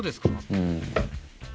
うん。